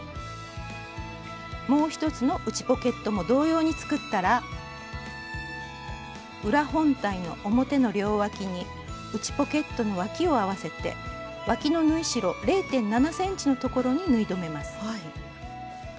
もう一つの内ポケットも同様に作ったら裏本体の表の両わきに内ポケットのわきを合わせてわきの縫い代０．７ｃｍのところに縫い留めます。